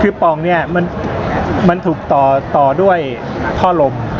คือตอนนี้มันถูกตอด้วยท่อลง